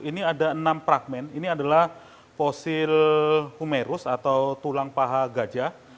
ini ada enam fragment ini adalah fosil humerus atau tulang paha gajah